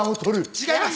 違います。